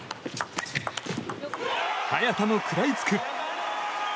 早田も食らいつく。